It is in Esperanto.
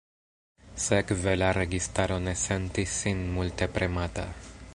Sekve la registaro ne sentis sin multe premata.